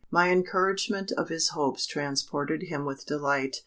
My encouragement of his hopes transported him with delight.